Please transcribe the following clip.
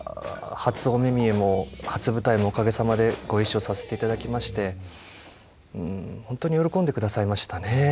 初お目見えも初舞台もおかげさまでご一緒させていただきまして本当に喜んでくださいましたね。